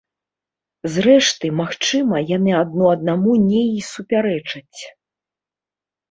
Зрэшты, магчыма яны адно аднаму не і супярэчаць.